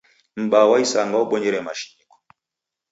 M'baa wa isanga wabonyere mashiniko.